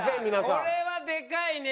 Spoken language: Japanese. これはでかいね。